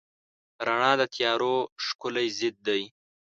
رڼا د تیارو ښکلی ضد دی.